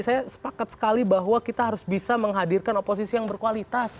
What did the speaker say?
saya sepakat sekali bahwa kita harus bisa menghadirkan oposisi yang berkualitas